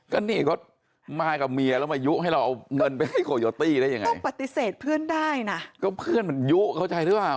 ก็นี่ก็มากับเมียแล้วมายุ่งให้เราเอาเงินไปให้โขยตี้ได้อย่างไม่ปฏิเสธเพื่อนได้นะเขาเพื่อนกันยุ้งเขาใช่